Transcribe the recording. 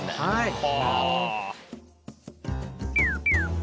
はい。